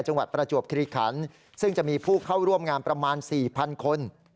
จังหวัดประจวบคลีขันซึ่งจะมีผู้เข้าร่วมงานประมาณ๔๐๐๐คน